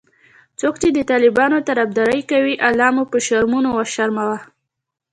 څوک چې د طالبانو طرفدارې کوي الله مو به شرمونو وشرموه😖